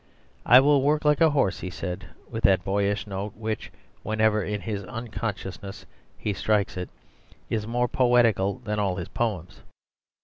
"I will work like a horse," he said, with that boyish note, which, whenever in his unconsciousness he strikes it, is more poetical than all his poems.